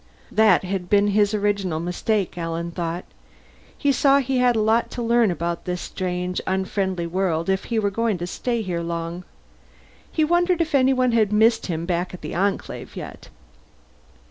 That had been his original mistake, Alan thought. He saw he had a lot to learn about this strange, unfriendly world if he were going to stay here long. He wondered if anyone had missed him back at the Enclave, yet.